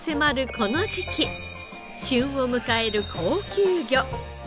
この時期旬を迎える高級魚。